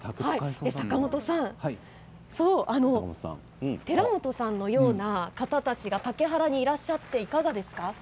坂元さん寺本さんのような方たちが竹原にいらっしゃっていかがですか？